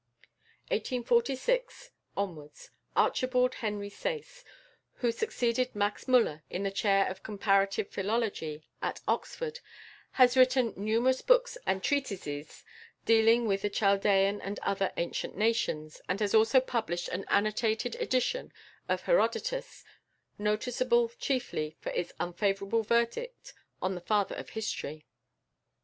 =Archibald Henry Sayce (1846 )=, who succeeded Max Müller in the chair of comparative philology at Oxford, has written numerous books and treatises dealing with the Chaldean and other ancient nations, and has also published an annotated edition of Herodotus, noticeable chiefly for its unfavourable verdict on the "Father of History."